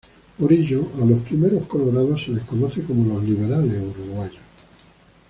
Por ello, a los primeros colorados se los conoce como los liberales uruguayos.